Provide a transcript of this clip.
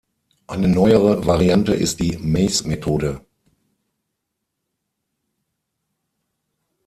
Eine neuere Variante ist die Mace-Methode.